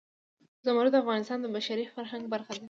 زمرد د افغانستان د بشري فرهنګ برخه ده.